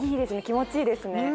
気持ちいいですね